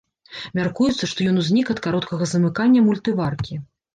Мяркуецца, што ён узнік ад кароткага замыкання мультываркі.